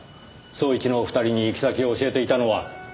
捜一のお二人に行き先を教えていたのは。